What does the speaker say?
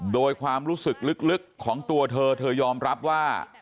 โดยความรู้สึกลึกของตัวเธอเธอยอมรับว่า